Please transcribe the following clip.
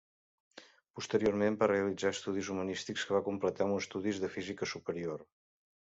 Posteriorment va realitzar estudis humanístics, que va completar amb estudis de física superior.